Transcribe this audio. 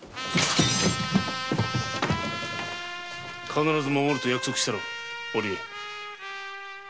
「必ず守る」と約束しただろう。